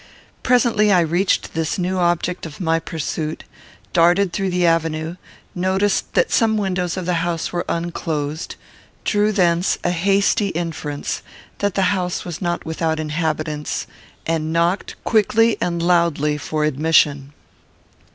Presently I reached this new object of my pursuit, darted through the avenue, noticed that some windows of the house were unclosed, drew thence a hasty inference that the house was not without inhabitants, and knocked, quickly and loudly, for admission.